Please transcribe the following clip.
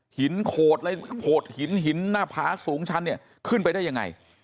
หินโขดอะไรโขดหินหินหน้าผาสูงชันเนี่ยขึ้นไปได้ยังไง